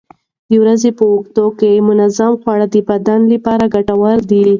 د ورځې په اوږدو کې منظم خواړه د بدن لپاره ګټور دي.